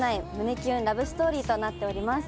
キュンラブストーリーとなっています。